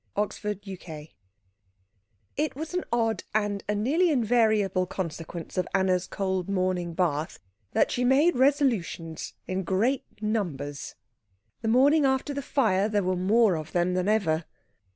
CHAPTER XXVII It was an odd and a nearly invariable consequence of Anna's cold morning bath that she made resolutions in great numbers. The morning after the fire there were more of them than ever.